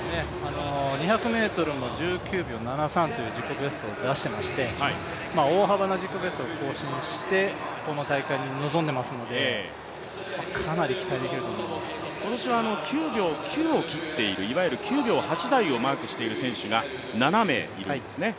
２００ｍも１９秒７３という自己ベストを出していまして大幅な自己ベストを更新してこの大会に臨んでいますので今年は９秒９を切っている、いわゆる９秒８台をマークしている選手が７名いるんですね。